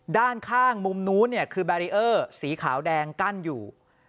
ด้านข้างมุมนู้นคือแบรีเออร์สีขาวแดงกั้นอยู่